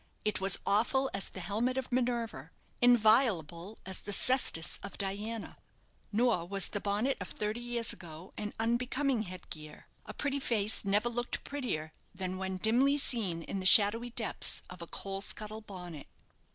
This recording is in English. It was awful as the helmet of Minerva, inviolable as the cestus of Diana. Nor was the bonnet of thirty years ago an unbecoming headgear a pretty face never looked prettier than when dimly seen in the shadowy depths of a coal scuttle bonnet.